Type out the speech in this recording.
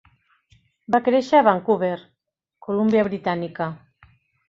Va créixer a Vancouver, Columbia Britànica.